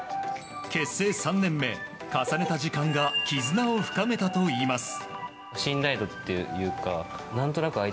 結成３年目、重ねた時間が絆を深めたといいます。